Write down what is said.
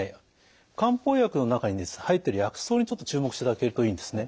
漢方薬の中に入っている薬草にちょっと注目していただけるといいんですね。